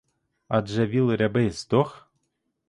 Адже віл рябий здох?